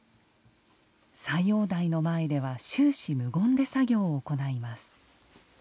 斎王代の前では終始無言で作業を行います。